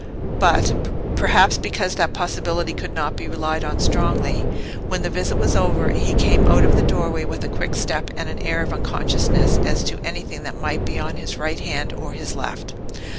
But—perhaps because that possibility could not be relied on strongly—when the visit was over, he came out of the doorway with a quick step and an air of unconsciousness as to anything that might be on his right hand or his left.